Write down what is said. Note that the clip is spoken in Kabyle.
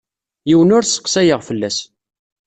Yiwen ur sseqsayeɣ fell-as.